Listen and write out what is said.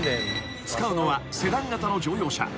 ［使うのはセダン型の乗用車］